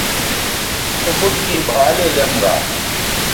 او بُٹ کیں بھالے لیم گا